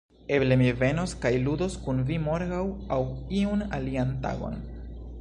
Eble mi venos kaj ludos kun vi morgaŭ aŭ iun alian tagon.